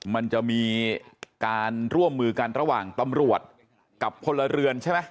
มันจะมีการร่วมมือกันระหว่างตำรวจกับพลเรือนใช่ไหม